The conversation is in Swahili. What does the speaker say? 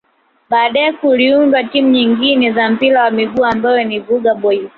Baadae kuliundwa timu nyengine ya mpira wa miguu ambayo ni Vuga Boys